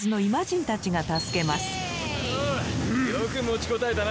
よく持ちこたえたな。